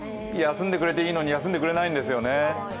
休んでくれていいのに休んでくれないんですね。